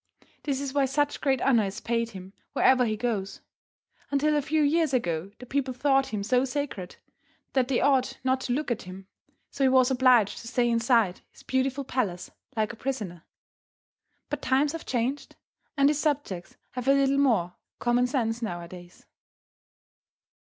This is why such great honour is paid him wherever he goes. Until a few years ago the people thought him so sacred that they ought not to look at him, so he was obliged to stay inside his beautiful palace like a prisoner. But times have changed, and his subjects have a little more common sense nowadays.